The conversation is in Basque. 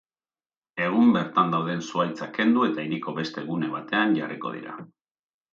Egun bertan dauden zuhaitzak kendu eta hiriko beste gune batean jarriko dira.